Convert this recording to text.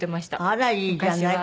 あらいいじゃない。